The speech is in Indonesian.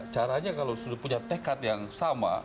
caranya kalau sudah punya tekad yang sama